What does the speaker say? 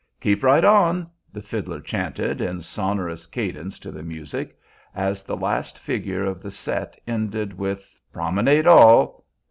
"Keep right on!" the fiddler chanted, in sonorous cadence to the music, as the last figure of the set ended with "Promenade all!"